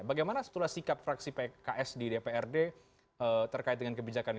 bagaimana setelah sikap fraksi pks di dprd terkait dengan kebijakan ini